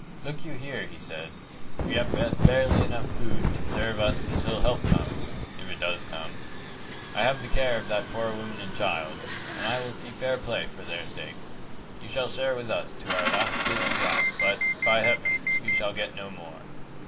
"Look you here," he said. "We have but barely enough food to serve us until help comes if it does come. I have the care of that poor woman and child, and I will see fair play for their sakes. You shall share with us to our last bit and drop, but, by Heaven, you shall get no more."